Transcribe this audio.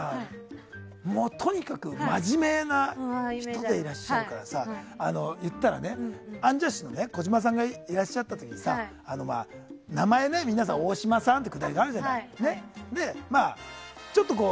とにかく真面目な人でいらっしゃるからさ言ったらね、アンジャッシュの児嶋さんがいらっしゃった時に名前、皆さん大島さんって言うくだりがあるじゃないですか。